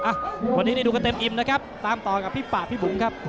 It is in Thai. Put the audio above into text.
อ่ะวันนี้ได้ดูกันเต็มอิ่มนะครับตามต่อกับพี่ป่าพี่บุ๋มครับ